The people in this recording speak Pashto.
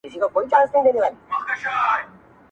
او که یې امن بد امني